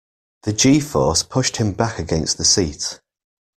The G-force pushed him back against the seat.